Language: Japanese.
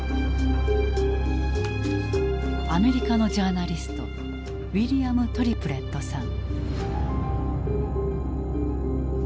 アメリカのジャーナリストウィリアム・トリプレットさん。